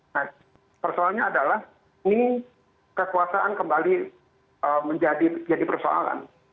nah persoalannya adalah ini kekuasaan kembali menjadi persoalan